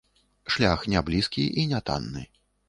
Шлях няблізкі і нятанны.